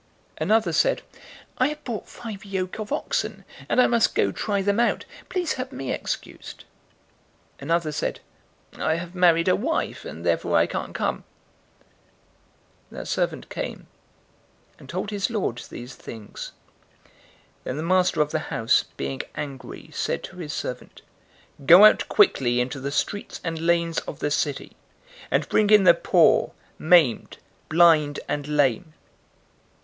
014:019 "Another said, 'I have bought five yoke of oxen, and I must go try them out. Please have me excused.' 014:020 "Another said, 'I have married a wife, and therefore I can't come.' 014:021 "That servant came, and told his lord these things. Then the master of the house, being angry, said to his servant, 'Go out quickly into the streets and lanes of the city, and bring in the poor, maimed, blind, and lame.'